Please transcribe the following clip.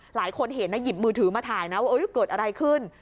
หลายคนเห็นนะหยิบมือถือมาถ่ายนะว่าเกิดอะไรขึ้น